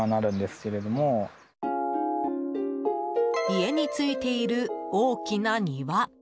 家についている大きな庭。